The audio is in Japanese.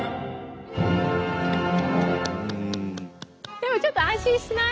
でもちょっと安心しない？